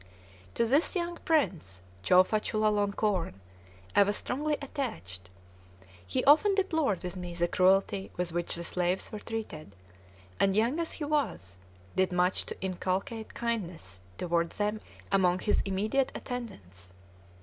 To this young prince, Chowfa Chulalonkorn, I was strongly attached. He often deplored with me the cruelty with which the slaves were treated, and, young as he was, did much to inculcate kindness toward them among his immediate attendants.